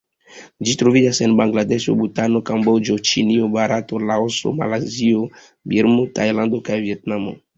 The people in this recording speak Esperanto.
Ĝi troviĝas en Bangladeŝo, Butano, Kamboĝo, Ĉinio, Barato, Laoso, Malajzio, Birmo, Tajlando kaj Vjetnamio.